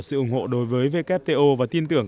sự ủng hộ đối với vkto và tin tưởng